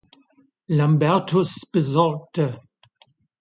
Lambertus besorgte.